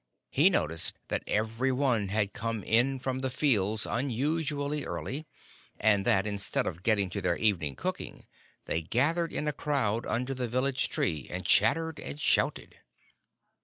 He noticed that every one had come in from the fields unusually early, and that, instead of getting to their evening cooking, they gathered in a crowd under the village tree, and chattered, and shouted.